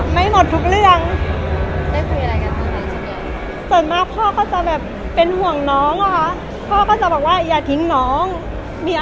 มีอะไรก็คือแบบอย่าทิ้งกันอย่ารักกันดูแลน้องดี